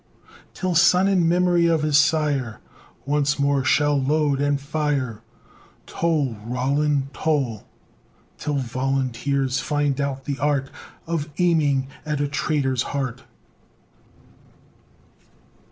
Till son, in memory of his sire, Once more shall load and fire! Toll! Roland, toll! Till volunteers find out the art Of aiming at a traitor's heart!